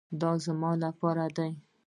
دا زموږ لپاره دي.